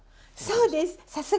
そうです。